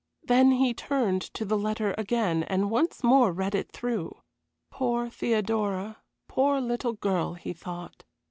Then he turned to the letter again and once more read it through. Poor Theodora, poor little girl, he thought.